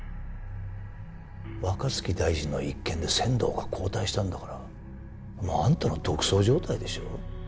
若槻大臣の一件で千堂が後退したんだからもうあんたの独走状態でしょ。